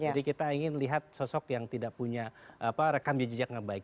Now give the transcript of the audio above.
jadi kita ingin lihat sosok yang tidak punya rekam jejak jejak yang baik